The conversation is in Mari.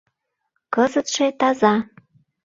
— Кызытше таза.